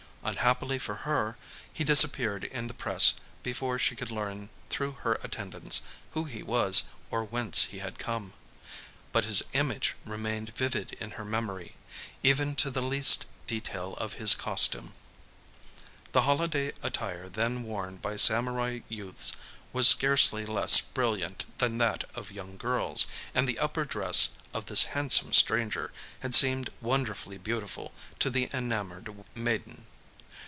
Unhappily for her, he disappeared in the press before she could learn through her attendants who he was or whence he had come. But his image remained vivid in her memory,—even to the least detail of his costume. The holiday attire then worn by samurai youths was scarcely less brilliant than that of young girls; and the upper dress of this handsome stranger had seemed wonderfully beautiful to the enamoured maiden.